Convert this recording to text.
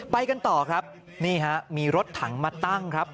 ไปกันต่อครับนี่ฮะมีรถถังมาตั้งครับ